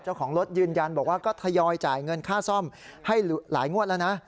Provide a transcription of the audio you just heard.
เจ้าของรถยืนยันบอกว่าก็ทยอยจ่ายเงินค่าซ่อมให้หลายงวดแล้วนะ